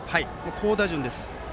好打順です。